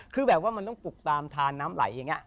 คือแบบว่ามันต้องปลุกตามทานน้ำไหลอย่างนี้